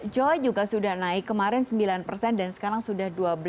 joy juga sudah naik kemarin sembilan persen dan sekarang sudah dua belas